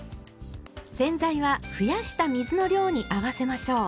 洗剤は増やした水の量に合わせましょう。